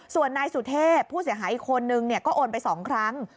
ส่วนนายสุเทพผู้เสียหายอีกคนนึงก็โอนไป๒ครั้ง